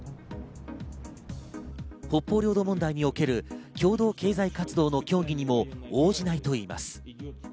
北方領土問題における共同経済活動の協議にも応じないといいます。